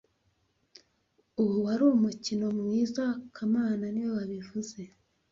Uwo wari umukino mwiza kamana niwe wabivuze